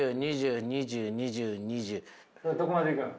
どこまでいくん？